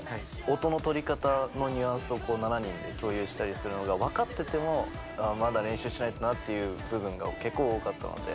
音の取り方のニュアンスを７人で共有したりするのが、分かってても、まだ練習しないとなっていう部分が結構多かったので。